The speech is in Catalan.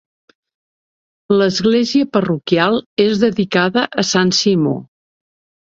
L'església parroquial és dedicada a Sant Simó.